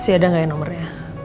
masih ada gak ya nomernya